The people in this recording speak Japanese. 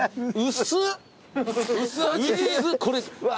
薄っ！